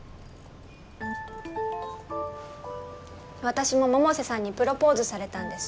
私も百瀬さんにプロポーズされたんです